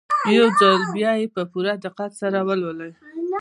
يو ځل بيا يې په پوره دقت سره ولولئ.